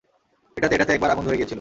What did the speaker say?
এটাতে- এটাতে একবার আগুন ধরে গিয়েছিল।